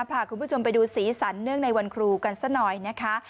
พาคุณผู้ชมไปดูสีสันเนื่องในวันครูกันซะหน่อยนะคะ